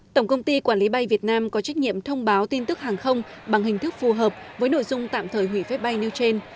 tổng công ty quản lý bay việt nam có trách nhiệm thông báo tin tức hàng không bằng hình thức phù hợp với nội dung tạm thời hủy phép bay nêu trên